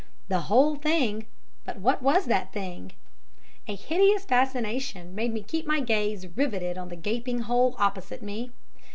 The whole Thing, but what was that Thing? A hideous fascination made me keep my gaze riveted on the gaping hole opposite me.